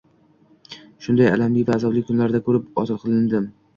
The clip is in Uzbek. Shunday alamli va azobli kunlarni koʻrib ozod qilindim